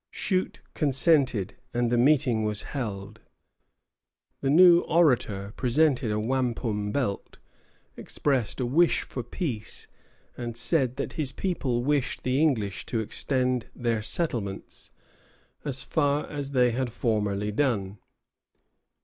Shute consented, and the meeting was held. The new orator presented a wampum belt, expressed a wish for peace, and said that his people wished the English to extend their settlements as far as they had formerly done.